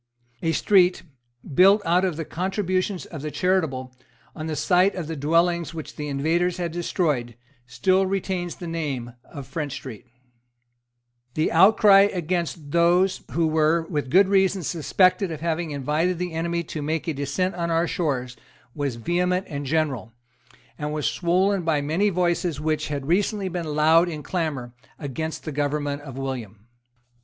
A street, built out of the contributions of the charitable, on the site of the dwellings which the invaders had destroyed, still retains the name of French Street, The outcry against those who were, with good reason, suspected of having invited the enemy to make a descent on our shores was vehement and general, and was swollen by many voices which had recently been loud in clamour against the government of William.